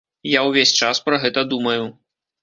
Я ўвесь час пра гэта думаю.